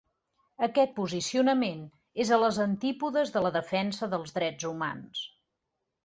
Aquest posicionament és a les antípodes de la defensa dels drets humans.